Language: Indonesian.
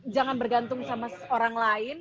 jangan bergantung sama orang lain